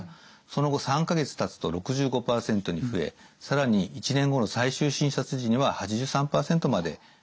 その後３か月たつと６５％に増え更に１年後の最終診察時には８３％まで良好な人が増えました。